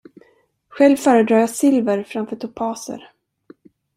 Själv föredrar jag silver framför topaser.